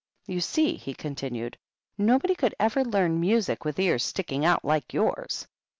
"You see," he continued, "nobody could ever learn music with ears sticking out like yours!"